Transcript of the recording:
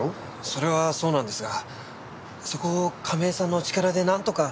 それはそうなんですがそこを亀井さんのお力でなんとか。